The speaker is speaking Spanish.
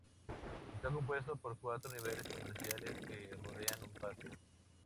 Está compuesto por cuatro niveles comerciales que rodean un patio.